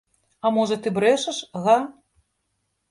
А можа, ты брэшаш, га?